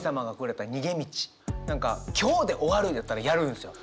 何か今日で終わるんやったらやるんですよ。